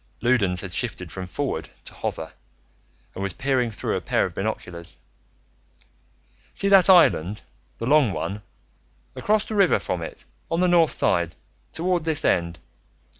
Loudons had shifted from Forward to Hover and was peering through a pair of binoculars. "See that island, the long one? Across the river from it, on the north side, toward this end.